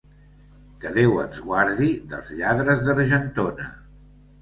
Que Déu ens guardi dels lladres d'Argentona.